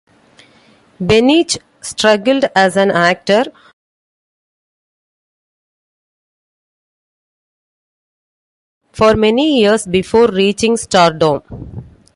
Peniche struggled as an actor for many years before reaching stardom.